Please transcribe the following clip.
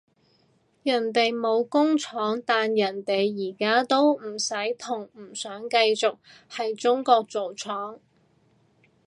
人哋冇工廠，但人哋而家都唔使同唔想繼續喺中國做廠